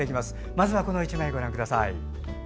まずはこの１枚ご覧ください。